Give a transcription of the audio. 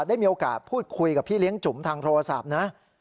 ได้มีโอกาสพูดคุยกับพี่เลี้ยงจุ๋มทางโทรศัพท์นะ